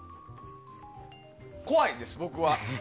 怖いです、僕は。